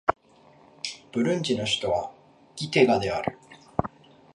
ブルンジの首都はギテガである